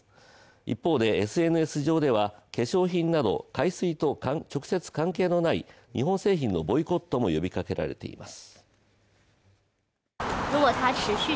一方でＳＮＳ上では化粧品など海水と直接関係のない日本製品のボイコットも呼びかけられています。